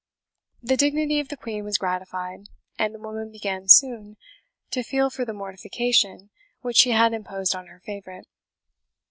The dignity of the Queen was gratified, and the woman began soon to feel for the mortification which she had imposed on her favourite.